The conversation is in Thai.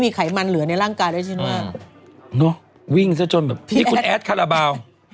ไขมันเหลือในร่างกายด้วยใช่ไหมเนอะวิ่งซะจนแบบที่คุณแอดคาราบาล